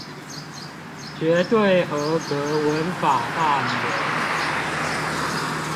絕對合格文法大全